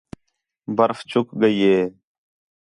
برف چُک ڳئی ہے